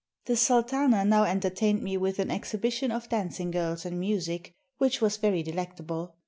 The sultana now entertained me with an exhibi tion of dancing girls and music, which was very delectable.